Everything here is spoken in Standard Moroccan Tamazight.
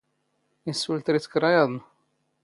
ⵉⵙ ⵙⵓⵍ ⵜⵔⵉⴷ ⴽⵔⴰ ⵢⴰⴹⵏ?